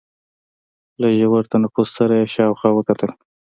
له ژور تنفس سره يې شاوخوا وکتل.